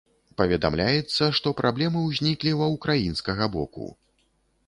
Паведамляецца, што праблемы ўзніклі ва ўкраінскага боку.